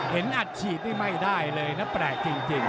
อัดฉีดนี่ไม่ได้เลยนะแปลกจริง